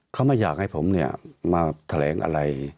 เขาไม่อยากให้ผมมาแถลงอะไร